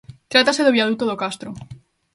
Trátase do viaduto do Castro.